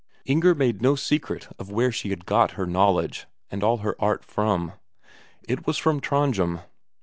Inger made no secret of where she had got her knowledge and all her art from; it was from Trondhjem.